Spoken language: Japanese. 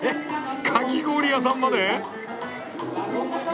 かき氷屋さんまで！？